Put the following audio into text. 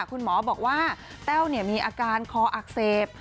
คุณหมอบอกว่าแต้วมีอาการคออักเสบ